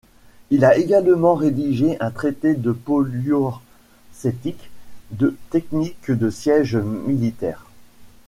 Il a également rédigé un traité de poliorcétique, de techniques de siège militaire.